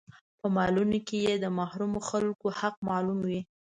په مالونو کې يې د محرومو خلکو حق معلوم وي.